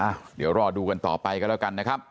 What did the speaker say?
เดี๋ยวรอดูกันต่อไปกันแล้วกันนะครับ